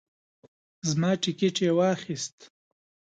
زما ټیکټ یې واخیست.